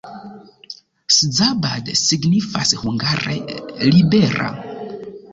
Szabad signifas hungare: libera.